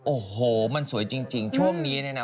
โอ้โหมันสวยจริงช่วงนี้เนี่ยนะ